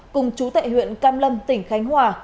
cùng chú tệ huyện cam lâm tỉnh khánh hòa